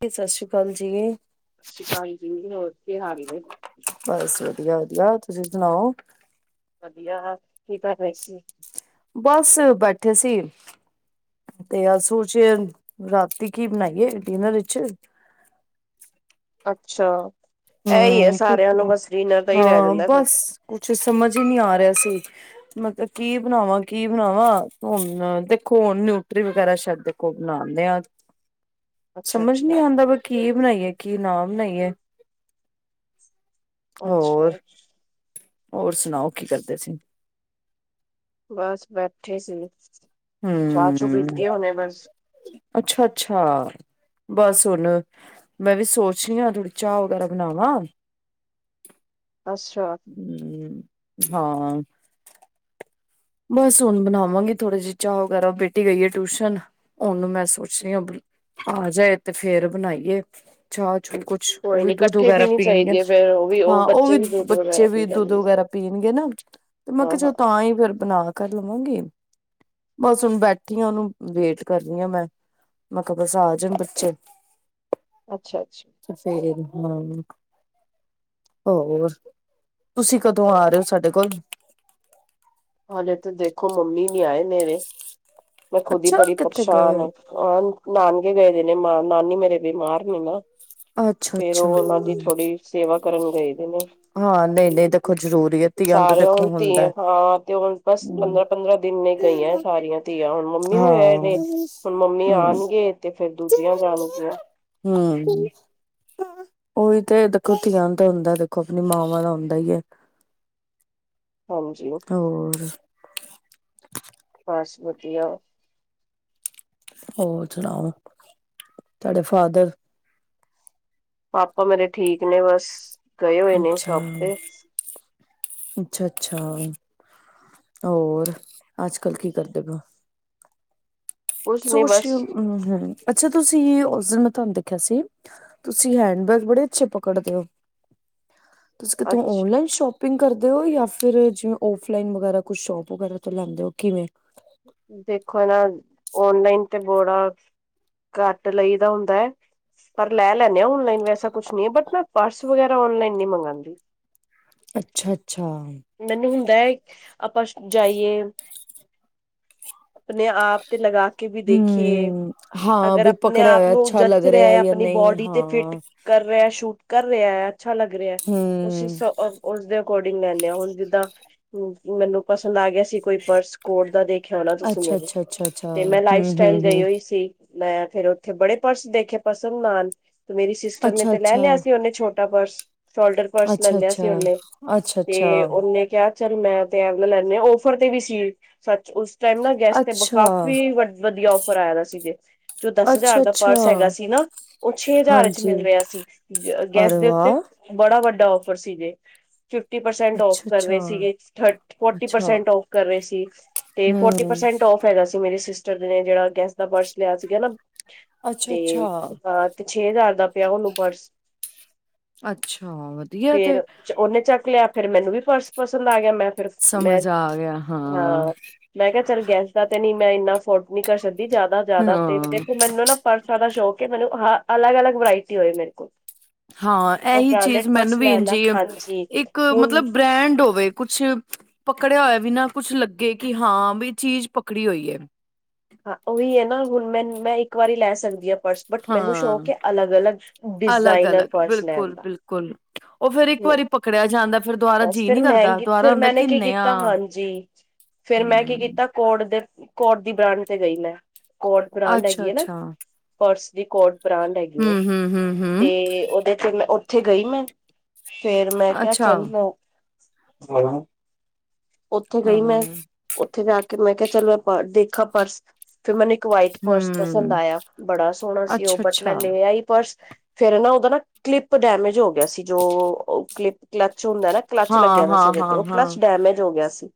ਤੇ ਸਤਿ ਸ੍ਰੀ ਕਾਲ ਜੀ ਸਤਿ ਸ੍ਰੀ ਕਾਲ ਜੀ ਹੋਰ ਕੀ ਹਾਲ ਨੇ ਬਸ ਵਧੀਆ ਵਧੀਆ ਤੁਸੀਂ ਸੁਣਾਓ ਵਧੀਆ ਕੀ ਕਰ ਰਹੇ ਸੀ। ਬਸ ਬੈਠੇ ਸੀ। ਤੇ ਅਸੂ ਚ ਰਾਤੀ ਕੀ ਬਨਾਈਏ ਡਿਨਰ ਇਚ ਅੱਛਾ ਇਹ ਈ ਏ ਹਮ ਸਾਰਿਆਂ ਕੁਛ ਨੂੰ ਬਸ ਡਿਨਰ ਦਾ ਈ ਰਹਿ ਹਾਂ ਜਾਂਦਾ ਫੇਰ। ਬਸ ਕੁਛ ਸਮਜ ਈ ਨੀ ਆ ਰਿਹਾ ਸੀ। ਮਲਬ ਕੀ ਬਣਾਵਾਂ ਕੀ ਬਣਾਵਾਂ ਹੁਨ ਦੇਖੋ ਨਿਊਟਰੀ ਵਗੈਰਾ ਛੱਡ ੳਹ ਬਨਾਨੇ ਆ ਸਮਜ ਨੀ ਅੱਛਾ-ਅੱਛਾ। ਆਂਦਾ ਵੀ ਕੀ ਬਣਾਈਏ ਕੀ ਨਾ ਬਣਾਈਏ। ਅੱਛਾ, ਹੋਰ ਅੱਛਾ, ਹੋਰ ਸੁਣਾਓ ਕੀ ਕਰਦੇ ਸੀਂ। ਬਸ ਬੈਠੇ ਸੀ। ਚਾਹ-ਚੂ ਹੁ ਪੀਤੀ ਹੁਣੇ ਬਸ। ਅੱਛਾ ਅੱਛਾ। ਬਸ ਹੁਨ ਮੈਂ ਵੀ ਸੋਚ ਰਹੀ ਆ ਥੋੜੀ ਚਾਹ ਵਗੈਰਾ ਬਨਾਵਾਂ। ਅੱਛਾ। ਹੁ ਹਾਂ। ਬਸ ਹੁਨ ਬਨਾਵਾਂਗੀ ਥੋੜੀ ਜੀ ਚਾਹ ਵਗੈਰਾ ਬੇਟੀ ਗਈ ਏ ਟਿਊਸ਼ਨ ਹੁਨ ਮੈਂ ਸੋਚ ਰਹੀ ਆ ਆ ਜਾਏ ਤੇ ਫੇਰ ਬਨਾਈਏ ਚਾਹ ਚੂ ਕੁ ਉਹ ਕੋਈ ਵੀ ਨੀ ਦੁੱਧ ਇਕੱਠੇ ਵਗੈਰਾ ਪੀਣੀ ਪੀਨਗੇ ਚਾਹੀਦੀ ਹੈ ਫੇਰ ਉਹ ਵੀ ਹਾਂ ਉਹ ਬੱਚੇ ਵੀ ਦੁੱਧ ਬੱਚੇ ਵਗੈਰਾ ਵੀ ਪੀ ਦੁੱਧ ਲੈਂਦੇ ਆ। ਵਗੈਰਾ ਪੀਨਗੇ ਨਾ। ਤੇ ਮੈਂ ਕਿਹਾ ਆਹਾ, ਚਲੋ ਤਾਂ ਹੀ ਫਿਰ ਬਨਾ ਕਰ ਲਵਾਂਗੀ। ਬਸ ਹੁਨ ਬੈਠੀ ਆ ਉਹਨੂੰ ਵੇਟ ਕਰਨੀ ਆ ਮੈਂ ਮੈਂ ਕਿਹਾ ਬਸ ਆ ਜਾਣ ਬੱਚੇ। ਅੱਛਾ ਅੱਛਾ। ਐਸੇ ਮੰਗ [unintelligible] ਹੋਰ ਤੁਸੀਂ ਕਦੋਂ ਆ ਰਹੇ ਹੋ ਸਾਡੇ ਕੋਲ ਹਾਲੇ ਤੇ ਦੇਖੋ ਮੰਮੀ ਨੀ ਆਏ ਮੇਰੇ ਮੈਂ ਖੁਦ ਈ ਅੱਛਾ ਬੜੀ ਕਿੱਥੇ ਗਏ ਪਰਸ਼ਾਨ ਹੋਏ ਆ। ਆ ਨਾਨਗੇ ਗਏ ਦੇ ਨੇ, ਨਾਨੀ ਮੇਰੇ ਬਿਮਾਰ ਨੇ ਨਾ। ਫੇਰ ਓ ਅੱਛਾ-ਅੱਛਾ ਓਨਾਂ ਦੀ ਥੋੜੀ ਸੇਵਾ ਕਰਨ ਗਏ ਦੇ ਨੇ। ਹਾਂ ਨਈ ਨਈ ਦੇਖੋ ਜ਼ਰੂਰੀ ਐ, ਧੀਆਂ ਨੂੰ ਤੇ ਸਾਰੇ ਦੇਖੋ ਹੁਣ ਧੀ ਹੁੰਦਾ। ਹਾਂ ਤੇ ਹੁਣ ਬਸ ਪੰਦਰਾਂ -ਪੰਦਰਾਂ ਦਿਨ ਲਈ ਗਈਆਂ ਸਾਰੀਆਂ ਧੀਆਂ। ਹੁੁਣ ਮੰਮੀ ਵੀ ਆਏ ਹਾਂ ਨੇ। ਹੁਣ ਮੰਮੀ ਹੂੰ-ਹੂੰ ਆਣਗੇ ਤੇ ਫੇਰ ਦੂਜੀਆਂ ਜਾਣ ਗੀਆਂ। ਹੂੰ ਓਈ ਤੇ ਦੇਖੋ ਧੀਆਂ ਨੂੰ ਤਾਂ ਹੁੰਦਾ ਦੇਖੋ ਆਪਣੀ ਮਾਵਾਂ ਦਾ ਹੁੰਦਾ ਈ ਐ। ਹਾਂਜੀ ਹੋਰ ਬਸ ਵਧੀਆ। ਹੋਰ ਸੁਣਾਓ ਤਾਡੇ ਫਾਦਰ। ਪਾਪਾ ਮੇਰੇ ਠੀਕ ਨੇ ਬਸ ਗਏ ਹੋਏ ਨੇ ਓ ਸ਼ੋਪ ਤੇ। ਅੱਛਾ ਅੱਛਾ ਹੋਰ ਅੱਜ ਕੱਲ੍ਹ ਕੀ ਕਰਦੇ ਪਏ ਓ। ਕੁਛ ਨੀ ਸੋਚ ਰੀ ਬਸ ਉ ਹੂੰ ਅੱਛਾ ਤੁਸੀਂ ਓਸ ਦਿਨ ਮੈਂ ਤੁਆਨੂੰ ਦੇਖਿਆ ਸੀ ਤੁਸੀਂ ਹੈਂਡਜ਼ ਬੈੈਗ ਬੜੇ ਅੱਛੇ ਪਕੜਦੇ ਓ। ਤੁਸੀਂ ਕਿੱਥੋਂ ਅੱਛ ਔਨਲਾਈਨ ਸ਼ੋਪ ਪਿੰਗ ਕਰਦੇ ਓ, ਜਾਂ ਫਿਰ ਜਿਵੇਂ ਔਫਲਾਈਨ ਵਗੈਰਾ ਕੁਛ ਸ਼ੋਪ ਵਗੈਰਾ ਤੋਂ ਲੈਂਦੇ ਓ ਕਿਵੇਂ। ਦੇਖੋ ਨਾ ਔਨਲਾਈਨ ਤੇ ਬੜਾ ਘੱਟ ਲਈ ਦਾ ਹੁੰਦਾ ਐ। ਪਰ ਲੈ ਲੈਨੇ ਆ ਔਨਲਾਈਨ ਵੈਸਾ ਕੁਛ ਨੀ ਏ, ਬਟ ਮੈਂ ਪਰਸ ਵਗੈਰਾ ਔਨਲਾਈਨ ਨਈ ਮਗਾਂਦੀ। ਅੱਛਾ ਅੱਛਾ। ਮੈਨੂੰ ਹੁੰਦਾ ਐ ਆਪਾਂ ਛਅ ਜਾਈਏ। ਆਪਣੇ ਆਪ ਤੇ ਲਗਾ ਕੇ ਵੀ ਦੇਖੀਏ, ਹਮ ਹਾਂ ਅਗਰ ਬਈ ਆਪਣੇ ਪਕੜਿਆ ਆਪ ਹੋਇਆ ਨੂੰ ਅੱਛਾ ਲੱਗ ਜੱਚ ਰਿਆ ਰਿਹਾ ਜਾਂ ਆਪਣੀ ਨਹੀਂ ਬੋਡੀ ਤੇ ਫਿਟ ਹਾਂ ਕਰ ਰਿਆ ਸ਼ੂਟ ਕਰ ਰਿਆ ਐ ਅੱਛਾ ਲੱਗ ਰਿਆ, ਅਸੀਂ ਹਮ ਸ ਉਸਦੇ ਅਕੋਰਡਿੰਗ ਲੈਂਣੇ ਆਂ ਹੁਣ। ਜਿਦਾ ਹੂ ਮੈਨੂੰ ਪਸੰਦ ਆ ਗਿਆ। ਕੋਈ ਪਰਸ ਕੋਟ ਦਾ ਦੇਖਿਆ ਹੋਣਾ ਤੁਸੀਂ ਅੱਛਾ ਮੇਰੇ, ਅੱਛਾ ਅੱਛਾ ਅੱਛਾ ਤੇ ਮੈਂ ਲਾਈਫ ਹਮ ਸਟਾਈਲ ਹਮ ਗਈ ਹਮ ਹੋਈ ਸੀ। ਮੈਂ ਫੇਰ ਓਥੇ ਬੜੇ ਪਰਸ ਦੇਖੇ ਪਾਸੰਦ ਨਾ ਆਣ, ਮੇਰੀ ਸਿਸਟਰ ਨੇ ਅੱਛਾ ਤੇ ਲੈ ਅੱਛਾ ਲਿਆ ਸੀ ਓਨੇ ਛੋਟਾ ਛੋਟਾ ਪਰਸ, ਸ਼ੋਲਡਰ ਪਰਸ ਲੈ ਅੱਛਾ ਲਿਆ ਸੀ ਓਨੇ ਅੱਛਾ ਅੱਛਾ ਤੇ ਓਨੇ ਕਿਆ ਚੱਲ ਮੈਂ ਤੇ ਏ ਵਾਲਾ ਲੈਨੇ ਆ, ਓਫਰ ਤੇ ਵੀ ਸੀ ਸੱਚ ਉਸ ਓਸ ਟੈਮ ਨਾ ਗੈਸ ਤੇ ਅੱਛਾ ਅੱਛਾ ਵਕਾਫੀ ਵ ਵਧੀਆ ਔਫਰ ਆਇਆ ਦਾ ਸੀ ਜੇ। ਜੋ ਦਸ ਅੱਛਾ ਹਜ਼ਾਰ ਦਾ ਪਰਸ ਹੈਗਾ ਅੱਛਾ ਸੀ ਨਾ ਓ ਛੇ ਹਜ਼ਾਰ ਵਿੱਚ ਹਾਂਜੀ ਮਿਲ ਰਿਆ ਸੀ। ਗ ਗੈਸ ਅਰੇ ਦੇ ਉੱਤੇ ਵਾਹ ਬੜਾ ਵੱਡਾ ਆਫਰ ਸੀ ਜੇ, ਫਿਫਟੀ ਪਰਸੈਂਟ ਆਫ ਅੱਛਾ ਕਰ ਰਏ ਅੱਛਾ ਸੀਗੇ, ਥਰ ਫੋਰਟੀ ਅੱਛਾ ਪਰਸੈਂਟ ਆਫ ਕਰ ਰੇਹ ਸੀ ਤੇ ਫੋਰਟੀ ਹਮ ਪਰਸੈਂਟ ਆਫ ਹੈਗਾ ਸੀ ਮੇਰੇ ਸਿਸਟਰ ਨੇ ਜੇੜਾ ਗੇਸ ਦਾ ਪਰਸ ਲਿਆ ਸੀਗਾ ਨਾ। ਅੱਛਾ ਤੇ ਅੱਛਾ ਆ ਛੇ ਹਜ਼ਾਰ ਦਾ ਪਿਆ ਓਨੂੰ ਪਰਸ। ਅੱਛਾ ਵਧੀਆ ਤੇ ਫੇਰ ਚ ਓਨੇ ਚੱਕ ਲਿਆ ਫੇਰ ਮੈਨੂੰ ਵੀ ਪਰਸ ਪਸੰਦ ਆ ਗਿਆ, ਮੈਂ ਪਰਸ ਮੈਂ ਸਮਝ ਆ ਗਿਆ ਹਾਂ ਮੈਂ ਕਿਆ ਚੱਲ ਗੈਸ ਦਾ ਤੇ ਨੀ ਮੈਂ ਏਨਾ ਫੋਰਡ ਨੀ ਕਰ ਸਕਦੀਵ ਜ਼ਾਦਾ ਜ਼ਾਦਾ ਤੇ ਹਾਂ, ਦੇਖੋ ਮੈਨੂੰ ਨਾ ਪਰਸਾਂ ਦਾ ਸ਼ੌਕ ਏ ਮੈਨੂੰ ਹਾਂ ਅਲੱਗ ਅਲੱਗ ਵਰਾਇਟੀ ਹੋਏ ਮੇਰੇ ਕੋਲ। ਹਾਂ ਮੈਂ ਏਹੀ ਬ੍ਰਾਂਡਡ ਚੀਜ਼ ਮੈਨੂੰ ਪਰਸ ਵੀ ਲੈ ਇੰਜ ਲਾ ਈ ਏ, ਹਾਂਜੀ ਇੱਕ ਹੁਣ ਮਤਲਬ ਬ੍ਰੈਂਡ ਹੋਵੇ ਕੁਛ ਪਕੜਿਆ ਹੋਇਆ ਵੀ ਨਾ ਕੁਛ ਲੱਗੇ ਕੀ ਹਾਂ ਬੀ ਚੀਜ਼ ਪਕੜੀ ਹੋਈ ਐ। ਹਾਂ ਓਈ ਐ ਨਾ ਹੁਣ ਮੈਂ ਮੈਂ ਇੱਕ ਵਾਰੀ ਲੈ ਸਕਦੀ ਆਂ। ਪਰਸ ਬਟ ਮੈਨੂੰ ਹਾਂ, ਸ਼ੌਕ ਹੈ ਅਲੱਗ ਅਲੱਗ ਡਿਜ਼ਾਇਨਰ ਪਰਸ ਲੈਣ ਦਾ ਕੁੱਲ ਉਹ ਫੇਰ ਇੱਕ ਹੂੰ, ਵਾਰੀ ਪਕੜਿਆ ਜਾਂਦਾ ਫੇਰ ਦੁਬਾਰਾ ਬਸ ਜੀਅ ਫਿਰ ਨੀ ਕਰਦਾ ਮਹਿੰਗੀ ਦੁਬਾਰਾ ਹੁੰਦਾ ਕਿ ਨਿਆ ਫੇਰ ਮੈਂ ਕੀ ਹੂੰ, ਕੀਤਾ ਕੋਡ ਦੇ ਕੋਡ ਦੀ ਬ੍ਰਾਂਡ ਤੇ ਗਈ ਮੈਂ ਕੋਡ ਬ੍ਰਾਂਡ ਹੈਗੀ ਹੈ ਨਾ ਅੱਛਾ-ਅੱਛਾ, ਪਰਸ ਦੀ ਕੋਡ ਬ੍ਰਾਂਡ ਹੈਗੀ ਏ ਤੇ ਹੂੰ-ਹੂੰ-ਹੂੰ-ਹੂੰ, ਉਹਦੇ ਫੇਰ ਮੈਂ ਉੱਥੇ ਗਈ ਮੈਂ ਫੇਰ ਮੈਂ ਕਿਆ ਅੱਛਾ, ਚੱਲ ਮੈ ਉੱਥੇ ਗਈ ਹਾਂ, ਮੈਂ ਉੱਥੇ ਜਾ ਕੇ ਮੈਂ ਕਿਹਾ ਚਲ ਮੈਂ ਪਰ ਦੇਖਾ ਪਰਸ ਫੇਰ ਮੈਨੇ ਇੱਕ ਵਾਈਟ ਪਰਸ ਪਸੰਦ ਹੂੰ, ਆਇਆ ਬੜਾ ਸੋਹਣਾ ਸੀ ਉਹ ਬਟ ਮੈਂ ਅੱਛਾ-ਅੱਛਾ, ਲੇ ਆਈ ਪਰਸ ਫੇਰ ਨਾ ਉਹਦਾ ਨਾ ਕਲਿੱਪ ਡੈਮੇਜ ਹੋ ਗਿਆ ਸੀ ਜੋ ਅਹ ਕਲਿੱਪ ਕਲੱਚ ਹੁੰਦਾ ਨਾ ਕਲਚ ਲੱਗਿਆ ਦਾ ਸੀ ਹਾਂ-ਹਾਂ, ਉਹਦੇ ਤੇ ਉਹ ਹਾਂ-ਹਾਂ, ਕਲਚ ਡੈਮੇਜ ਹੋ ਗਿਆ ਸੀ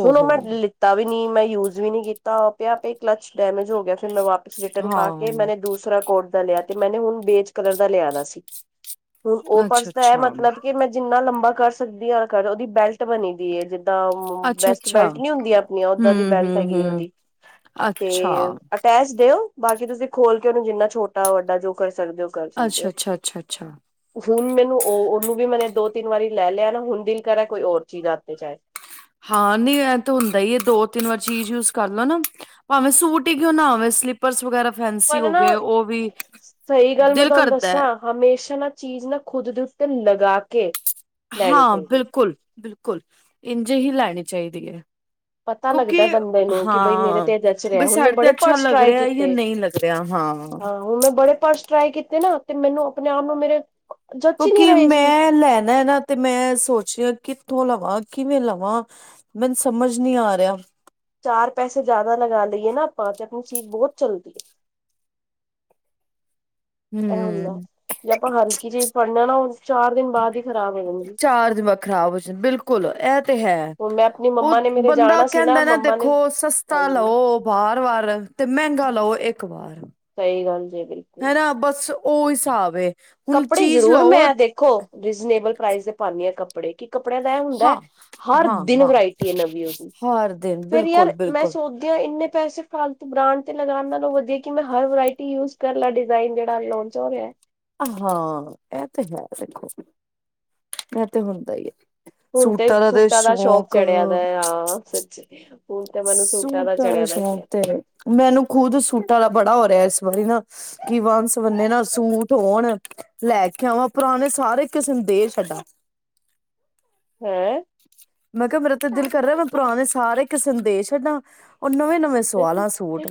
ਓ ਹੁਣ ਉਹ ਹੋ, ਮੈਂ ਕੀਤਾ ਵੀ ਨੀ ਮੈਂ ਯੂਜ ਵੀ ਨੀ ਕੀਤਾ ਉ ਪਿਆ ਪਿਆ ਈ ਕਲਚ ਡੈਮੇਜ ਹੋ ਗਿਆ ਫੇਰ ਮੈਂ ਵਾਪ ਪਸ ਰਿਟਰਨ ਪਾ ਕੇ ਹਾਂ। ਮੈੇ ਦੂਸਰਾ ਕੋਟ ਦਾ ਲਿਆ ਤੇ ਮੈਨੇ ਹੁਣ ਬੇਜ ਕਲਰ ਦਾ ਲਿਆਣਾ ਸੀ ਹੁਣ ਉਹ ਪਰਸ ਤਾਂ ਇਹ ਅੱਛਾ-ਅੱਛਾ, ਮਤਲਬ ਕਿ ਮੈਂ ਜਿੰਨਾ ਲੰਬਾ ਕਰ ਸ ਸਕਦੀ ਆਂ ਕਰ ਉਦੀ ਬੈਲਟ ਬਣੀ ਦੀ ਏ ਜ ਦਾ ਬੈਸਟ ਅੱਛਾ-ਅੱਛਾ, ਬੈਲਟ ਨੀ ਹੁੰਦੀਆਂ ਆਪਣੀਆਂ ਓਦਾਂ ਦੀ ਬੈਲਟ ਹੈਗੀ ਹੂੰ-ਹੂੰ-ਹੂੰ, ਉਹਦੀ ਅੱਛਾ, ਤੇ ਬੈਸਟ ਏ ਓ ਬਾਕੀ ਤੁਸੀਂ ਖੋਲ ਕੇ ਉਹਨੂੰ ਜਿੰਨਾ ਛੋਟਾ ਵੱਡਾ ਜੋ ਕਰ ਸਕਦੇ ਹੋ ਕਰ ਸਕਦੇ ਹੋ ਅੱਛਾ-ਅੱਛਾ, ਅੱਛਾ-ਅੱਛਾ, ਹੁਣ ਮੈਨੂੰ ਉਹ ਉਹਨੂੰ ਵੀ ਮੈਂ ਹੁਣ ਮੈਨੂੰ ਦੋ ਤਿੰਨ ਵਾਰੀ ਲੈ ਲਿਆ ਨਾ ਹੁਣ ਦਿਲ ਕਰ ਕੋਈ ਔਰ ਚੀਜ਼ ਹੱਥ ਏਚ ਆਏ ਹਾਂ ਨੀ ਐਂ ਤਾਂ ਹੁੰਦਾ ਹੀ ਹੈ ਦੋ ਤਿੰਨ ਵਾਰ ਚੀਜ਼ ਯੂਜ ਕਰ ਲੋ ਨਾ ਭਾਵੇਂ ਸੂਟ ਹੀ ਕਿਉਂ ਨਾ ਹੋਵੇਂ ਸਲਿਪ ਪਰਸ ਵਗੈਰਾ ਫੈਸੀ ਪਰ ਹੋ ਨਾ ਗਏ ਉਹ ਵੀ ਸਹੀ ਗੱਲ ਮੈਂ ਦਿਲ ਤੁਹਾਨੂੰ ਕਰਦਾ ਹੈ ਦੱਸਾਂ ਹਮੇਸ਼ਾ ਨਾ ਚੀਜ਼ ਨਾ ਖੁਦ ਦੇ ਉੱਤੇ ਲਗਾ ਕੇ ਲੈਣੀ ਹਾਂ ਚਾਹੀਦੀ ਬਿਲਕੁਲ ਬਿਲਕੁਲ ਇੰਝ ਹੀ ਲੈਣੀ ਚਾਹੀਦੀ ਹੈ ਪਤਾ ਕਿਉਂਕਿ ਲੱਗਦਾ ਬੰਦੇ ਨੂੰ ਕਿ ਬਈ ਮੇਰੇ ਹਾਂ ਤੇ ਜਚ ਬਈ ਰਿਹਾ ਹੁਣ ਮੈਂ ਸੈਡ ਤੇ ਬੜੇ ਅੱਛਾ ਪਰਸ ਲੱਗ ਟਰਾਈ ਰਿਹਾ ਜਾਂ ਕੀਤੇ ਨਹੀਂ ਲੱਗ ਰਿਆ ਹਾਂ ਹਾਂ ਹੁਣ ਮੈਂ ਬੜੇ ਪਰਸ ਟਰਾਈ ਕੀਤੇ ਨਾ ਤੇ ਮੈਨੂੰ ਆਪਣੇ ਆਪ ਨੂੰ ਮੇਰੇ ਜੱਚ ਹੀ ਨਹੀਂ ਕਿਉਂਕਿ ਰਹੇ ਸੀ ਮੈਂ ਲੈਣਾ ਏ ਨਾ ਤੇ ਮੈਂ ਸੋਚ ਰਈ ਆ ਕਿੱਥੋਂ ਲਵਾਂ ਕਿਵੇਂ ਲਵਾਂ ਮੈਨੂੰ ਸਮਝ ਨੀ ਆ ਰਿਹਾ ਚਾਰ ਪੈਸੇ ਜ਼ਿਆਦਾ ਲਗਾ ਲਈਏ ਨਾ ਆਪਾਂ ਤੇ ਆਪਣੀ ਜੀਭ ਬਹੁਤ ਚੱਲਦੀ ਏ ਇਹ ਹੁੰਦਾ ਹਮ ਜੇ ਆਪਾਂ ਹਲਕੀ ਚੀਜ਼ ਫੜਣੇ ਆ ਨਾ ਉਹ ਚਾਰ ਦਿਨ ਬਾਅਦ ਹੀ ਖਰਾਬ ਹੋ ਜਾਂਦੀ ਚਾਰਜ ਵੱਖ ਖ਼ਰਾਬ ਜ ਬਿਲਕੁਲ ਇਹ ਤੇ ਹੈ ਹੁਣ ਮੈਂ ਆਪਣੀ ਉਹ ਮੰਮਾ ਨੇ ਮੇਰੇ ਬੰਦਾ ਜਾਣਾ ਸੀ ਕਹਿੰਦਾ ਨਾ ਮੰਮਾ ਨੇ ਦੇਖੋ ਸਸਤਾ ਹਾਂਜੀ ਲਓ ਵਾਰ ਵਾਰ ਤੇ ਮਹਿੰਗਾ ਲਓ ਇੱਕ ਵਾਰ ਸਹੀ ਗੱਲ ਜੇ ਕਹੀ ਹੈਨਾ ਬਸ ਉਹ ਹਿਸਾਬ ਏ ਹੁਣ ਕੱਪੜੇ ਚੀਜ਼ ਜ਼ਰੂਰ ਲਓ ਮੈਂ ਦੇਖੋ ਰੀਜਨੇਬਲ ਪ੍ਰਾਈਸ ਦੇ ਪਾਨੀ ਆ ਕੱਪੜੇ ਕੱਪੜੇ ਕਿ ਕੱਪੜਿਆਂ ਦਾ ਇਹ ਹੁੰਦਾ ਹੈ ਹਾਂ ਹਰ ਹਾਂ ਦਿਨ ਹਾਂ ਵਰਾਇਟੀ ਹੈ ਨਵੀਂ ਉਹਦੀ ਹਰ ਦਿਨ ਫਿਰ ਬਿਲਕੁਲ ਯਾਰ ਮੈਂ ਬਿਲਕੁਲ ਸੋਚ ਕੇ ਇੰਨੇ ਪੈਸੇ ਫਾਲਤੂ ਬ੍ਰਾਂਡ ਤੇ ਲਗਾਣ ਨਾਲੋਂ ਵਧੀਆ ਕਿ ਮੈਂ ਹਰ ਵਰਾਇਟੀ ਯੂਜ ਕਰ ਲੈ ਡਿਜ਼ਾਇਨ ਜਿਹੜਾ ਲਾਉਣ ਜੋਬ ਅ ਆ ਹਾਂ ਇਹ ਤੇ ਹੈ ਦੇਖੋ ਇਹ ਤੇ ਹੁੰਦਾ ਈ ਐ ਹੁਣ ਤੇ ਸੂਟਾਂ ਦਾ ਸ਼ੌਕ ਚੜਿਆ ਦਾ ਐ ਸੱਚੀ ਹੁਣ ਤੇ ਮੈਨੂੰ ਸੂਟਾਂ ਦਾ ਚੜਿਆ ਸ਼ੌਕ ਤੇ ਮੈਨੂੰ ਖੁਦ ਸੂਟਾਂ ਦਾ ਬੜਾ ਹੋ ਰਿਹਾ ਇਸ ਵਾਰੀ ਨਾ ਕਿ ਵਨ ਸਵੰਨੇ ਨਾ ਸੂਟ ਹੋਣ ਲੈ ਕੇ ਆਵਾਂ ਪੁਰਾਣੇ ਸਾਰੇ ਕਿਸੇ ਨੂੰ ਦੇ ਛੱਡਾਂ ਹੈਂ ਮੈਂ ਕਿਹਾ ਮੇਰਾ ਤੇ ਦਿਲ ਕਰ ਰਿਹਾ ਮੈਂ ਪੁਰਾਣੇ ਸਾਰੇ ਕਿਸੇ ਨੂੰ ਦੇ ਛੱਡਾਂ, ਔਰ ਨਵੇਂ- ਨਵੇਂ ਸੁਵਾਲਾ ਸੂਟ,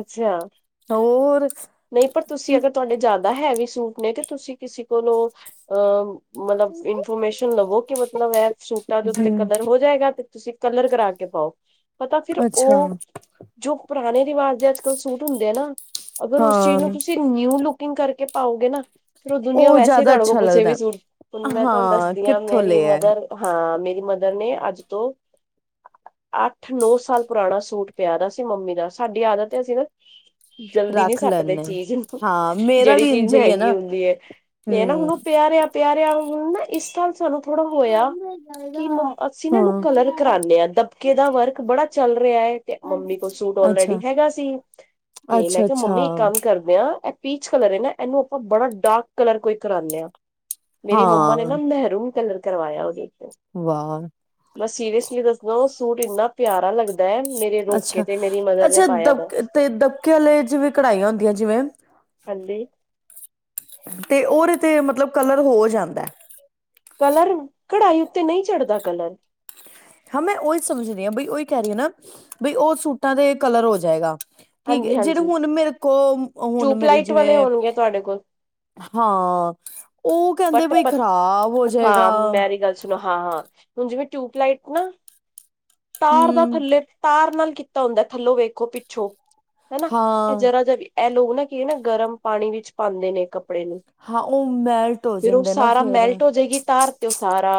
ਅੱਛਾ ਹੋਰ। ਨਹੀਂ ਪਰ ਤੁਸੀਂ ਅਗਰ ਤੁਹਾਡੇ ਜ਼ਿਆਦਾ ਹੈਵੀ ਸੂਟ ਨੇ ਤੇ ਤੁਸੀਂ ਕਿਸੇ ਕੋਲੋਂ, ਅਹ ਮਤਲਬ ਇਨਫੋਰਮੇਸ਼ਨ ਲਵੋ ਕਿ ਮਤਲਬ ਇਹ ਸੂਟਾਂ ਦੇ ਉੱਤੇ ਹਮ ਕਲਰ ਹੋ ਜਾਏਗਾ ਤੇ ਤੁਸੀਂ ਕਲਰ ਕਰਾ ਕੇ ਪਾਓ। ਪਤਾ ਫਿਰ ਅੱਛਾ ਓ, ਜੋ ਪੁਰਾਣੇ ਰਿਵਾਜ਼ ਦੇ ਅੱਜ -ਕੱਲ੍ਹ ਸੂਟ ਹੁੰਦੇ ਆ ਨਾ ਅਗਰ ਉਸ ਚੀਜ਼ ਹਾਂ ਤੁਸੀਂ ਨਿਊ ਲੋਕਿੰਗ ਕਰਕੇ ਪਾਓਗੇ ਨਾ ਫਿਰ ਉਹ ਦੁਨੀਆਂ ਵੈਸੇ ਹੀ ਜ਼ਿਆਦਾ ਤਾਡੇ ਕੋਲ ਅੱਛਾ ਪੁੱਛੇਗੀ ਲੱਗਦਾ ਸੂਟ, ਮੈਂ ਹਾਂ ਤੁਹਾਨੂੰ ਆਂ ਕਿੱਥੋਂ ਮੇਰੀ ਲਿਆ ਮਦਰ ਹਾਂ, ਮੇਰੀ ਮਦਰ ਨੇ ਅੱਜ ਤੋਂ ਅੱਠ- ਨੌ ਸਾਲ ਪੁਰਾਣਾ ਸੂਟ ਪਿਆ ਰਿਆ ਸੀ ਮੰਮੀ ਦਾ, ਸਾਡੀ ਆਦਤ ਐ ਅਸੀਂ ਨਾ ਜਲਦੀ ਨਹੀਂ ਰੱਖ ਸੱਟਦੇ ਲੈਂਦੇ ਚੀਜ਼ ਨੂੰ, ਹਾਂ ਮੇਰਾ ਜਿਹੜੀ ਵੀ ਚੀਜ਼ ਇੰਝ ਹੀ ਹੈ ਮਹਿੰਗੀ ਨਾ ਹੁੰਦੀ ਹੈ। ਤੇ ਹੁਣ ਨਾ ਹਮ ਉਹ ਪਿਆ ਰਿਆ, ਪਿਆ ਰਿਆ ਹੁਣ ਨਾ ਇਸ ਨਾਲ ਸਾਨੂੰ ਥੋੜਾ ਹੋਇਆ ਕਿ ਅਸੀਂ ਨਾ ਨੂੰ ਕਲਰ ਹਾਂ ਕਰਾਂਨੇ ਆ, ਦਬਕੇ ਦਾ ਵਰਕ ਬੜਾ ਚੱਲ ਰਿਹਾ ਏ ਤੇ ਮੰਮੀ ਕੋਲ ਸੂਟ ਔਲਰੈਡੀ ਅੱਛਾ ਹੈਗਾ ਸੀ, ਤੇ ਮੈਂ ਅੱਛਾ ਕਿਹਾ ਮੰਮੀ ਇੱਕ ਅੱਛਾ ਕੰਮ ਕਰਦੇ ਆਂ, ਇਹ ਪੀਚ ਕਲਰ ਏ ਨਾ, ਇਹਨੂੰ ਆਪਾਂ ਬੜਾ ਡਾਰਕ ਕਲਰ ਕੋਈ ਕਰਾਨੇ ਆਂ। ਮੇਰੀ ਮੰਮਾ ਨੇ ਨਾ ਹਾਂ, ਮਹਿਰੂਨ ਕਲਰ ਕਰਵਾਇਆ ਓਦੇ ਉੱਪਰ। ਵਾਓ। ਮੈਂ ਸੀਰੀਅਸਲੀ ਦੱਸ ਦਾ ਉਹ ਸੂਟ ਇੰਨਾ ਪਿਆਰਾ ਲੱਗ ਦਾ, ਮੇਰੇ ਰੋਕੇ ਅੱਛਾ, ਤੇ ਮੇਰੀ ਮਦਰ ਨੇ ਅੱਛਾ ਪਾਇਆ ਦਬ ਦਾ। ਤੇ ਦਬਕੇ ਆਲੇ ਜਿਵੇਂ ਕਢਾਈਆਂ ਹੁੰਦੀਆਂ ਜਿਵੇਂ ਹਾਂਜੀ! ਤੇ ਓਰੇ ਤੇ ਮਤਲਬ ਕਲਰ ਹੋ ਜਾਂਦਾ। ਕਲਰ, ਕਢਾਈ ਉੱਤੇ ਨਹੀਂ ਚੜ੍ਹਦਾ ਕਲਰ। ਹਾਂ ਮੈਂ ਓਹੀ ਸਮਝਦੀ ਹਾਂ ਬਈ ਓਹੀ ਕਹਿ ਰਹੀ ਆਂ ਨਾ, ਬਈ ਉਹ ਸੂਟਾਂ ਦੇ ਕਲਰ ਹੋ ਜਾਏਗਾ। ਠੀਕ ਏ, ਹਾਂਜੀ ਜਿਹੜੇ ਹਾਂਜੀ ਹੁਣ ਮੇਰੇ ਕੋ, ਹੁਣ ਟਿਊਬ ਮੇਰੇ ਲਾਈਟ ਵਾਲੇ ਜਿਵੇਂ ਹੋਣਗੇ ਤੁਹਾਡੇ ਕੋਲ ਹਾਂ, ਉਹ ਕਹਿੰਦੇ ਬਟ ਬਈ ਖਰਾਬ ਹੋ ਹਾਂ ਜਏਗਾ। ਮੇਰੀ ਗੱਲ ਹਾਂ, ਹਾਂ ਹੁਣ ਜਿਵੇਂ ਟਿਊਬ ਲਈਟ ਨਾ ਤਾਰ ਦਾ ਹੂੰ, ਥੱਲੇ, ਤਾਰ ਨਾਲ ਕੀਤਾ ਹੁੰਦਾ ਥੱਲੋਂ ਵੇਖੋ ਪਿੱਛੋਂ। ਹਨਾ, ਇਹ ਹਾਂ, ਜਰਾ ਜਿਹਾ ਐ ਲੋਕ ਨਾ ਕੀ ਨਾ ਗਰਮ ਪਾਣੀ ਵਿੱਚ ਪਾਂਦੇ ਨੇ ਕੱ ਪੜੇ ਨੂੰ, ਹਾਂ ਉਹ ਮੈਲਟ ਹੋ ਫਿਰ ਉਹ ਜਾਂਦੇ ਨਾ ਸਾਰਾ ਫੇਰ। ਮੈਲਟ ਹੋ ਜਾਏਗੀ ਤਾਰ ਤੇ ਉਹ ਸਾਰਾ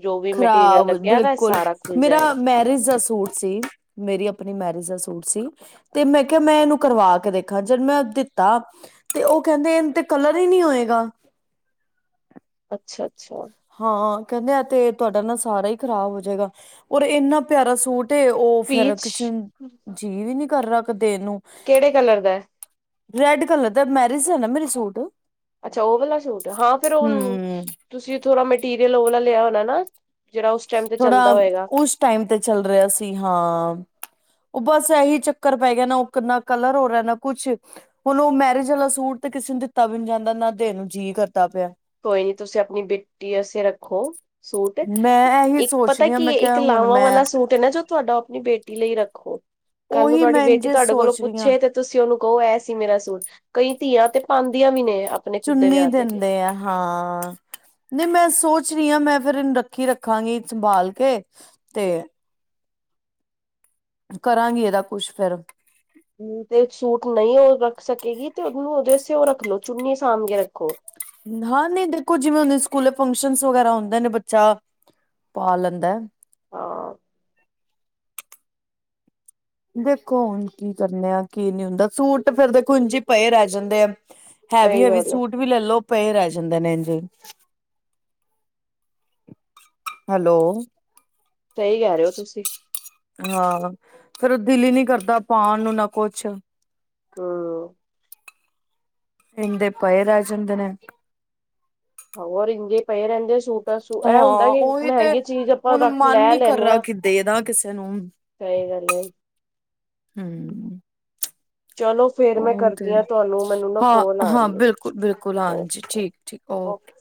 ਜੋ ਵੀ ਮਟੀਰੀਅਲ ਖਰਾਬ ਲੱਗਿਆ ਦਾ ਬਿਲਕੁਲ, ਸਾਰਾ ਖੁੱਲ ਮੇਰਾ ਜਾਏਗਾ ਮੈਰਿਜ ਦਾ ਸੂਟ ਸੀ ਮੇਰੀ ਆਪਣੀ ਮੈਰਿਜ ਦਾ ਸੂਟ ਸੀ। ਤੇ ਮੈਂ ਕਿਹਾ ਮੈਂ ਇਹਨੂੰ ਕਰਵਾ ਕੇ ਦੇਖਾ, ਜਦ ਮੈਂ ਦਿੱਤਾ ਤੇ ਉਹ ਕਹਿੰਦੇ ਇਹ ਤੇ ਕਲਰ ਹੀ ਨਹੀਂ ਹੋਏਗਾ। ਅੱਛਾ -ਅੱਛਾ। ਹਾਂ, ਕਹਿੰਦੇ ਐ ਤੇ ਤੁਹਾਡਾ ਨਾਲ ਸਾਰਾ ਹੀ ਖ਼ਰਾਬ ਹੋ ਜਾਏਗਾ, ਔਰ ਇੰਨਾ ਪਿਆਰਾ ਸੂ ਟ ਤੇ ਉਹ ਫਿਰ ਪੀਚ ਕਿਸੇ ਨੂੰ ਜ ਜੀਅ ਵੀ ਨੀ ਕਰ ਰਿਆ ਕੇ ਦੇਣ ਨੂੰ। ਕਿਹੜੇ ਕਲਰ ਦਾ ਏ? ਰੈਡ ਕਲਰ ਦਾ ਮੈਰਿਜ ਹੈ ਨਾ ਮੇਰੇ ਸੂਟ। ਅੱਛਾ ਉਹ ਵਾਲਾ ਸੂਟ, ਹਾਂ ਫਿਰ ਉਹ, ਹਮ ਤੁਸੀਂ ਥੋੜਾ ਮਟੀਰੀਅਲ ਉਹ ਵਾਲਾ ਲਿਆ ਹੋਣਾ ਨਾ ਜਿਹੜਾ ਉਸ ਟਾਈਮ ਤੇ ਚੱਲਦਾ ਥੋੜਾ ਹੋਏਗਾ। ਉਸ ਟਾਈਮ ਤੇ ਚੱਲ ਰਿਹਾ ਸੀ। ਹਾਂ, ਉਹ ਬਸ ਇਹੀ ਚੱਕਰ ਪੈ ਗਿਆ ਨਾ, ਉਹ ਨਾ ਕਲਰ ਹੋ ਰਿਹਾ, ਨਾ ਕੁਛ। ਹੁਣ ਉਹ ਮੈਰਿਜ ਵਾਲਾ ਸੂਟ ਤੇ ਕਿਸੇ ਨੂੰ ਦਿੱਤਾ ਵੀ ਨੀ ਜਾਂਦਾ, ਨਾ ਦੇਣ ਨੂੰ ਜੀਅ ਕਰਦਾ ਪਿਆ। ਕੋਈ ਨੀ ਤੁਸੀਂ ਆਪਣੀ ਬੇਟੀ ਅਸਤੇ ਰੱਖੋ ਸੂਟ, ਮੈਂ ਇਹੀ ਇੱਕ ਸੋਚ ਪਤਾ ਰਹੀ ਹਾਂ ਕੀ ਮੈਂ ਕਿਹਾ ਇੱਕ ਹੁਣ ਲਾਵਾਂ ਮੈਂ ਵਾਲਾ ਸੂਟ ਹੈ ਨਾ ਜੋ ਤੁਹਾਡਾ ਆਪਣੀ ਬੇਟੀ ਲਈ ਰੱਖੋ। ਕੱਲ੍ਹ ਨੂੰ ਉਹੀ ਤੁਹਾਡੀ ਮੈਂ ਬੇਟੀ ਇੰਝੇ ਤੁਹਾਡੇ ਕੋਲੋ ਸੋਚ ਰਹੀ ਹਾਂ ਪੁੱਛੇ ਤੇ ਤੁਸੀਂ ਉਹਨੂੰ ਕਹੋ ਇਹ ਸੀ ਮੇਰਾ ਸੂਟ, ਕਈ ਧੀਆਂ ਤੇ ਪਾਉਂਦੀਆਂ ਵੀ ਨੇ। ਆਪਣੇ ਖੁਦ ਦੇ ਚੁੰਨੀ ਵਿਆਹ ਤੇ ਦਿੰਦੇ ਆ ਹਾਂ। ਨਹੀਂ ਮੈਂ ਸੋਚ ਰਹੀ ਹਾਂ ਮੈਂ ਫਿਰ ਇਹਨੂੰ ਰੱਖੀ ਰੱਖਾਂਗੀ ਸੰਭਾਲ ਕੇ। ਤੇ ਕਰਾਂਗੀ ਇਹਦਾ ਕੁੱਛ ਫੇਰ ਤੇ ਸੂਟ ਨਹੀਂ ਉਹ ਰੱਖ ਸਕੇਗੀ, ਤੇ ਉਹਨੂੰ ਉਹਦੇ ਅਸਤੇ ਉਹ ਰੱਖ ਲੋ ਚੁੰਨੀ ਸਾਂਭ ਕੇ ਰੱਖੋ। ਹਾਂ ਨਹੀਂ ਦੇਖੋ ਜਿਵੇਂ ਹੋਨੇ ਸਕੂਲੇ ਫੰਕਸ਼ਨਸ ਵਗੈਰਾ ਹੁੰਦੇ ਨੇ ਬੱਚਾ ਪਾ ਲੈਂਦਾ ਏ। ਹਾਂ। ਦੇਖੋ ਹੁਣ ਕੀ ਕਰਨੇ ਆ ਕੀ ਨਹੀਂ ਹੁੰਦਾਂ। ਸੂਟ ਫੇਰ ਦੇਖੋ ਇੰਝ ਪਏ ਰਹਿ ਜਾਂਦੇ ਆ। ਸਹੀ ਹੈਵੀ-ਹੈਵੀ ਗੱਲ ਸੂਟ ਵੀ ਲੈਲੋ ਪਏ ਰਹਿ ਜਾਂਦੇ ਨੇ ਇੰਝੇਈ। ਹੈਲੋ ਸਹੀ ਕਹਿ ਰਹੇ ਹੋ ਤੁਸੀਂ। ਹਾਂ ਫਿਰ ਦਿਲ ਹੀ ਨਹੀਂ ਕਰਦਾ ਪਾਉਣ ਨੂੰ ਨਾ ਕੁਛ। ਹਮ। ਇੰਦੇ ਪਏ ਰਹਿ ਜਾਂਦੇ ਨੇ। ਹੋਰ ਇੰਜ ਹੀ ਪਏ ਰਹਿੰਦੇ ਏ ਸੂਟ। ਕਸੂਰ ਹਾਂ ਇਹ ਹੁੰਦਾ ਕਿ ਉਹੀ ਤੇ ਮਹਿੰਗੀ ਚੀਜ਼ ਆਪਾਂ ਹੁਣ ਰੱਖ ਮਨ ਲੈ ਨੀ ਕਰ ਲੈਣੇ ਰਿਹਾ ਆ ਕਿ ਦੇ ਦਾ ਕਿਸੇ ਨੂੰ ਸਹੀ ਗੱਲ ਏ। ਹਮ। ਚਲੋ ਫੇਰ ਮੈਂ ਉਹ ਤੇ ਕਰਦੀ ਹਾਂ ਤੁਹਾਨੂੰ ਮੈਨੂੰ ਨਾ ਕੋਲ ਆ ਹਾਂ-ਹਾਂ, ਰਹੀ ਹੈ। ਬਿਲਕੁਲ-ਬਿਲਕੁਲ, ਹਾਂਜੀ ਓਕੇ ਠੀਕ-ਠੀਕ ਓਕੇ।